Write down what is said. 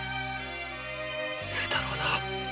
清太郎だ。